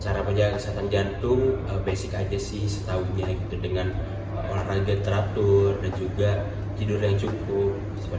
cara penjagaan jantung basic aja sih setahunya itu dengan orangnya teratur dan juga tidur yang cukup